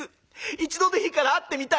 一度でいいから会ってみたい」。